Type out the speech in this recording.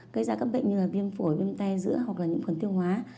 gây ra các bệnh như là viêm phổi viêm te giữa hoặc là những khuẩn tiêu hóa